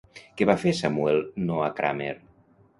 Què va fer Samuel Noah Kramer?